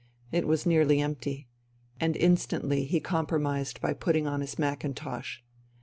It was nearly empty. And instantly he compromised by putting on his mackintosh.